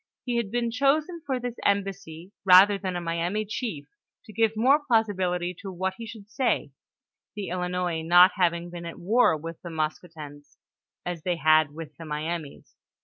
He had been chosen for this embassy rather than a Miami chief, to give more plausibility to what he should say, the Ilinois not having been at war with the Maskoutens, as they had with the Mi amis.